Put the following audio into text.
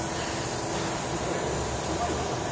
やっぱりうまいですよね。